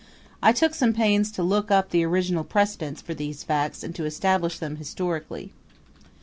I took some pains to look up the original precedents for these facts and to establish them historically.